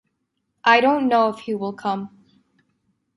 I don’t know if he will come.